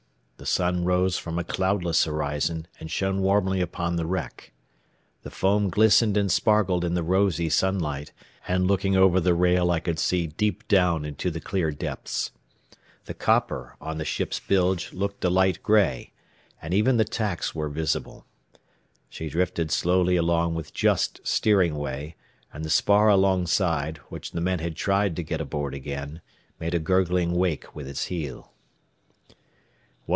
The sun rose from a cloudless horizon and shone warmly upon the wreck. The foam glistened and sparkled in the rosy sunlight, and looking over the rail I could see deep down into the clear depths. The copper on the ship's bilge looked a light gray, and even the tacks were visible. She drifted slowly along with just steering way, and the spar alongside, which the men had tried to get aboard again, made a gurgling wake with its heel.